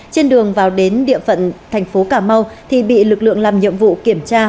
trên đường vào đến địa phận tp ca mau thì bị lực lượng làm nhiệm vụ kiểm tra